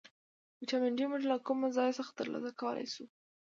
ویټامین ډي موږ له کوم ځای څخه ترلاسه کولی شو